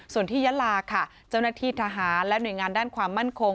ส่วนที่ยะลาค่ะเจ้าหน้าที่ทหารและหน่วยงานด้านความมั่นคง